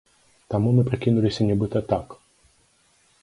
Таму мы прыкінуліся, нібыта, так!